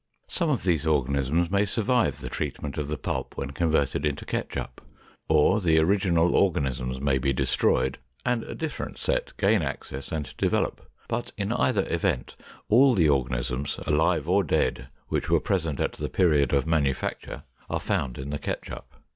Some of these organisms may survive the treatment of the pulp when converted into ketchup, or the original organisms may be destroyed, and a different set gain access and develop, but in either event all the organisms alive or dead which were present at the period of manufacture are found in the ketchup.